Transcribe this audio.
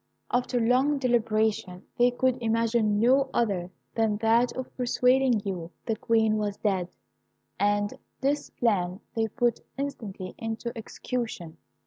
"After long deliberation, they could imagine no other than that of persuading you the Queen was dead, and this plan they put instantly into execution.